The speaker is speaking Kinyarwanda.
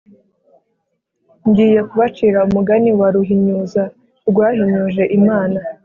Ngiye kubacira umugani wa Ruhinyuza rwahinyuje Imana.